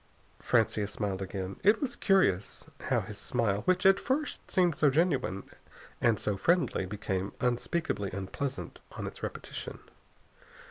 Francia smiled again. It was curious how his smile, which at first seemed so genuine and so friendly, became unspeakably unpleasant on its repetition.